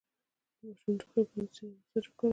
د ماشوم د ټوخي لپاره د سینه مساج وکړئ